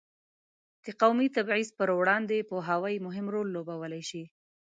د قومي تبعیض پر وړاندې پوهاوی مهم رول لوبولی شي.